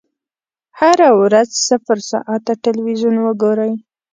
هره ورځ صفر ساعته ټلویزیون وګورئ.